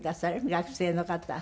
学生の方。